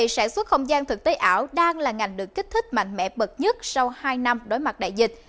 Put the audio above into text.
sản xuất không gian thực tế ảo đang là ngành được kích thích mạnh mẽ bậc nhất sau hai năm đối mặt đại dịch